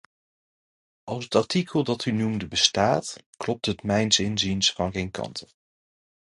Als het artikel dat u noemde bestaat, klopt het mijns inziens van geen kanten.